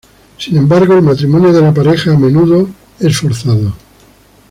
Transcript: Sin embargo, el matrimonio de la pareja a menudo es forzado.